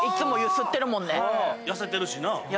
痩せてるし。